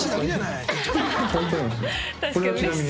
これはちなみに？